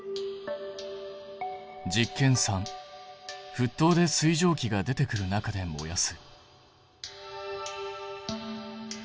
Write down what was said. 実験３ふっとうで水蒸気が出てくる中で燃やす。